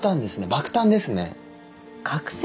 爆誕ですね覚醒？